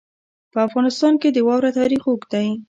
په افغانستان کې د واوره تاریخ اوږد دی.